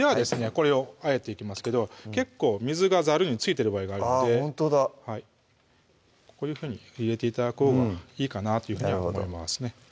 これをあえていきますけど結構水がざるに付いてる場合があるのでこういうふうに入れて頂くほうがいいかなというふうには思います